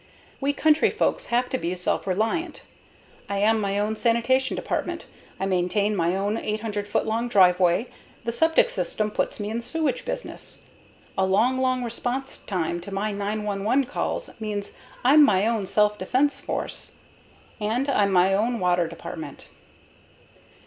We country folks have to be self reliant: I am my own sanitation department, I maintain my own 800 foot long driveway, the septic system puts me in the sewage business. A long, long response time to my 911 call means I'm my own self defense force. And I'm my own water department.